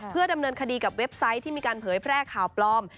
เพื่อดำเนินคดีกับเว็บไซต์ที่มีการเผยแพร่ข่าวปลอม